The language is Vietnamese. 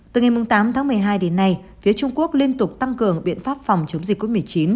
từ ngày tám tháng một mươi hai đến nay phía trung quốc liên tục tăng cường biện pháp phòng chống dịch covid một mươi chín